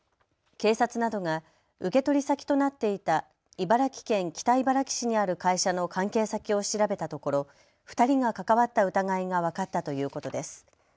警察などが受け取り先となっていた茨城県北茨城市にある会社の関係先を調べたところ２人が関わった疑いが分かったということです。